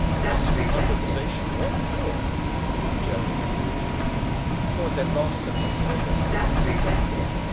"As compensation what for?" Joe demanded. "For the loss of his services."